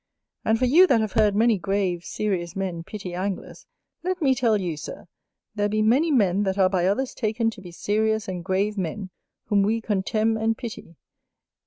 And for you that have heard many grave, serious men pity Anglers; let me tell you, Sir, there be many men that are by others taken to be serious and grave men, whom we contemn and pity.